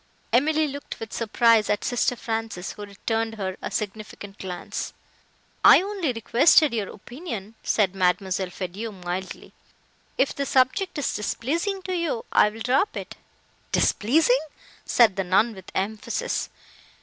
Emily looked with surprise at sister Frances, who returned her a significant glance. "I only requested your opinion," said Mademoiselle Feydeau, mildly; "if the subject is displeasing to you, I will drop it." "Displeasing!"—said the nun, with emphasis.